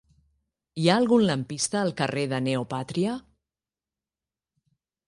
Hi ha algun lampista al carrer de Neopàtria?